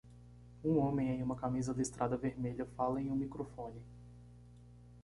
Um homem em uma camisa listrada vermelha fala em um microfone.